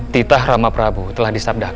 titah rama prabu telah disabda